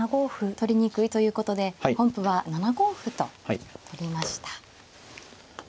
取りにくいということで本譜は７五歩と取りました。